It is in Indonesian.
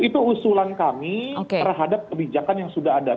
itu usulan kami terhadap kebijakan yang sudah ada